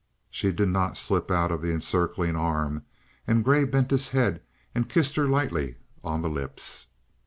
She did not slip out of the encircling arm, and Grey bent his head and kissed her lightly on the lips.